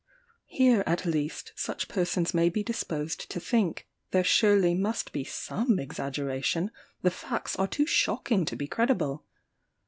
Here, at least, such persons may be disposed to think, there surely must be some exaggeration; the facts are too shocking to be credible.